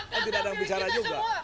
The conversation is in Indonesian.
kan tidak ada yang bicara juga